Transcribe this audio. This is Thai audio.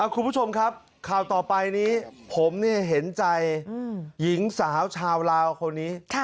คุณผู้ชมครับข่าวต่อไปนี้ผมเห็นใจหญิงสาวชาวลาวคนนี้